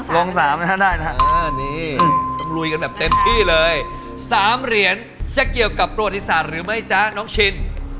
ต้องลุยกันแบบเต็มที่เลย๓เหรียญจะเกี่ยวกับประวัติศาสตร์หรือไม่จ๊ะน้องชิน